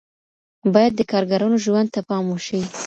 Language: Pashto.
باید د کارګرانو ژوند ته پام وشي.